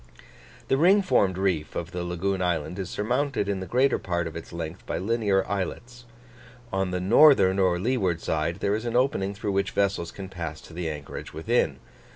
The ring formed reef of the lagoon island is surmounted in the greater part of its length by linear islets. On the northern or leeward side, there is an opening through which vessels can pass to the anchorage within.